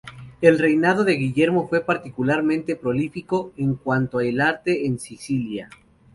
El reinado de Guillermo fue particularmente prolífico en cuanto al arte en Sicilia.